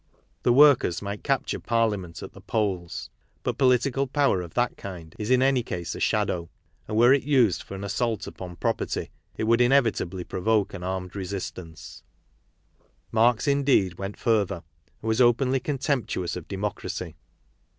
The workers might capture Parliament at the polls ; but political power of that kind is in any cas& a shadow, and werelFused for ah assa'ult liporTpropefty;' iTwould i nevitably~prowke' an ~anned~re indeed7~weh1t fiir'tTier anSTwas openly conternptuous of democracy.